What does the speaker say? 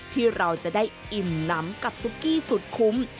ที่เราจะได้อิ่มน้ำกับซุกี้สุดคุ้ม